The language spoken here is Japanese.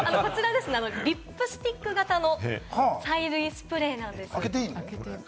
リップスティック型の催涙スプレーなんです。